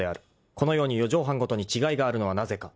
［このように四畳半ごとに違いがあるのはなぜか］